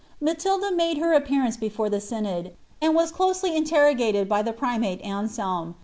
Matilda made her appearenee before the synod, and was closely int«t" rognted by the primate Atiselm.